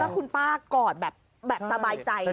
แล้วคุณป้ากอดแบบสบายใจเลย